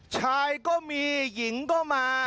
ชายก็มีหญิงก็มา